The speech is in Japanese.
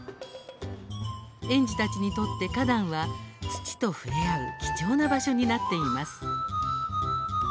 園児たちにとって花壇は土と触れ合う貴重な場所になっています。